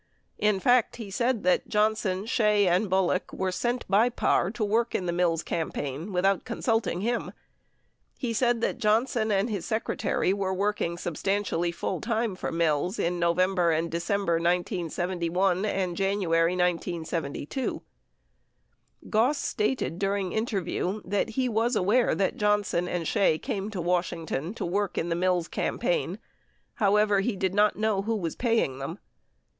40 In fact, he said that Johnson, Shea and Bullock were sent by Parr to work in the Mills campaign without consulting him. He said that Johnson and his secretary were working substantially full time for Mills in November and December 1971 and January 1972. Goss stated during interview that he was aware that Johnson and Shea came to Washington to work in the Mills campaign ; however, he did not know who was paying them.